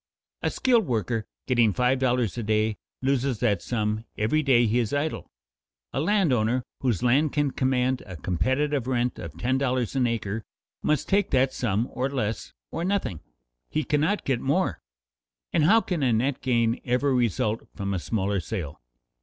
A skilled worker getting five dollars a day loses that sum every day he is idle. A landowner whose land can command a competitive rent of ten dollars an acre must take that sum or less, or nothing; he cannot get more. How can a net gain ever result from a smaller sale?